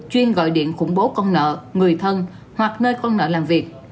chuyên gọi điện khủng bố con nợ người thân hoặc nơi công nợ làm việc